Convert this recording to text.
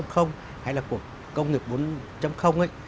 hay là của công nghiệp bốn ấy